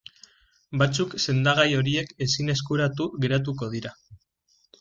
Batzuk sendagai horiek ezin eskuratu geratuko dira.